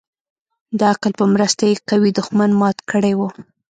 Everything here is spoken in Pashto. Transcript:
د عقل په مرسته يې قوي دښمن مات كړى و.